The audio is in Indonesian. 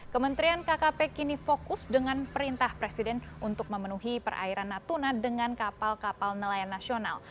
kementerian kkp kini fokus dengan perintah presiden untuk memenuhi perairan natuna dengan kapal kapal nelayan nasional